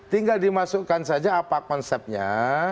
tinggal dimasukkan saja apa konsepnya